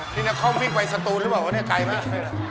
นี่น้องค่อพี่ไปสตูหรือเปล่าว่านี่ไกลมาก